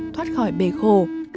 thoát khỏi bề khổ